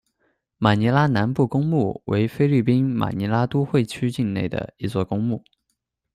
马尼拉南部公墓为菲律宾马尼拉都会区境内的一座公墓。